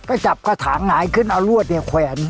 ก็จับกระถางหงายขึ้นเอารวดเนี่ยแขวน